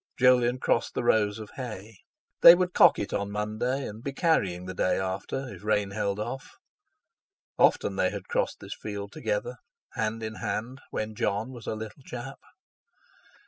Jolyon crossed the rows of hay. They would cock it on Monday and be carrying the day after, if rain held off. Often they had crossed this field together—hand in hand, when Jon was a little chap.